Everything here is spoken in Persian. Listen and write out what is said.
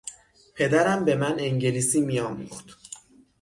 پدرم به من انگلیسی میآموخت.